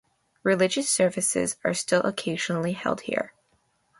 Religious services are still occasionally held here.